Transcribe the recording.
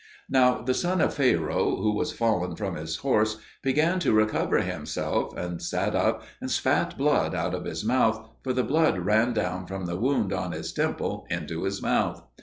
Now the son of Pharaoh, who was fallen from his horse, began to recover himself, and sat up and spat blood out of his mouth, for the blood ran down from the wound on his temple into his mouth.